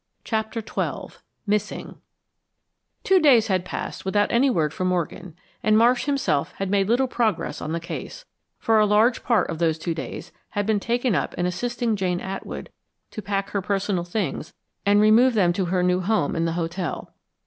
CHAPTER XII MISSING Two days had passed without any word from Morgan, and Marsh himself had made little progress on the case, for a large part of those two days had been taken up in assisting Jane Atwood to pack her personal things and remove them to her new home in the hotel.